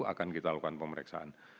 akan kita lakukan pemeriksaan